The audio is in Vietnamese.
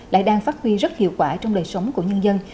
lại đang phát huy rất hiệu quả trong đời sống của nhân dân